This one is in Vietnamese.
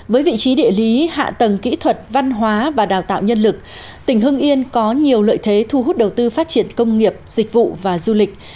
với vị trí địa lý hạ tầng kỹ thuật văn hóa và đào tạo nhân lực tỉnh hưng yên có nhiều lợi thế thu hút đầu tư phát triển công nghiệp dịch vụ và du lịch